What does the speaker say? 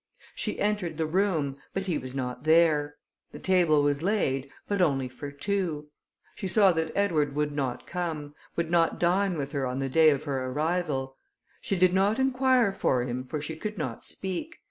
She entered the room, but he was not there. The table was laid, but only for two: she saw that Edward would not come, would not dine with her on the day of her arrival. She did not inquire for him, for she could not speak.